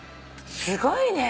すごいね。